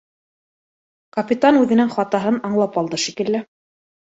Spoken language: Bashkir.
Капитан үҙенең хатаһын аңлап алды шикелле